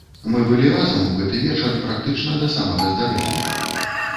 Мы былі разам у гэты вечар практычна да самага здарэння.